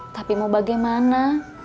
tapi mau bagaimana